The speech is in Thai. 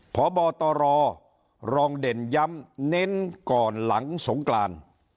พบตรรองเด่นย้ำเน้นก่อนหลังสงกราน